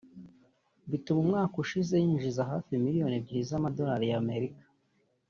bituma umwaka ushize yinjiza hafi miliyoni ebyiri z’amadorali ya Amerika